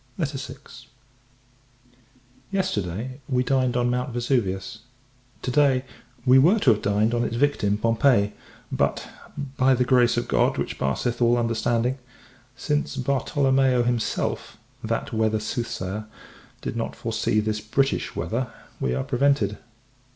VI. Yesterday, we dined on Mount Vesuvius; to day, we were to have dined on its victim, Pompeii: but, "by the grace of God, which passeth all understanding," since Bartolomeo himself, that weather soothsayer, did not foresee this British weather, we are prevented.